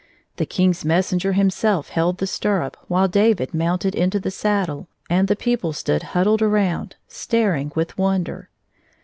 The King's messenger himself held the stirrup, while David mounted into the saddle, and the people stood huddled around staring with wonder.